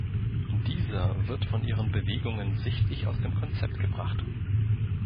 Dieser wird von ihren Bewegungen sichtlich aus dem Konzept gebracht.